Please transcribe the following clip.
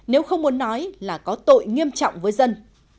nếu không muốn nói là có tội nghiêm trọng với dân